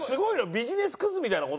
ビジネス・クズみたいな事なの？